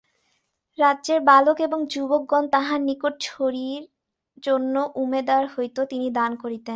রাজ্যের বালক এবং যুবকগণ তাঁহার নিকট ছড়ির জন্য উমেদার হইত, তিনি দান করিতেন।